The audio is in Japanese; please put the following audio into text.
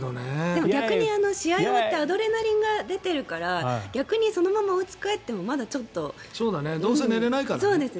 でも逆に試合が終わってアドレナリンが出ているから逆にそのままおうちに帰ってもどうせ寝れないからね。